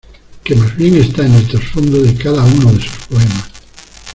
Que más bien está en el trasfondo de cada uno de sus poemas.